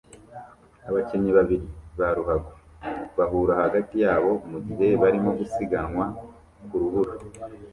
Abakinnyi babiri ba ruhago bahura hagati yabo mugihe barimo gusiganwa ku rubura